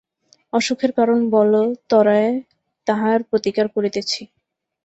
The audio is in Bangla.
অসুখের কারণ বল ত্বরায় তাহার প্রতীকার করিতেছি।